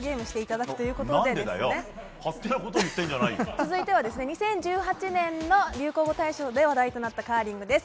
続いては２０１８年の流行語大賞で話題となったカーリングです。